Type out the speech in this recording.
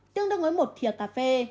tương đương với một thịa cà phê